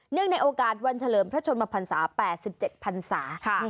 เนื่องในโอกาสวันเฉลิมพระชนมภรรษาแปดสิบเจ็ดภรรษาค่ะ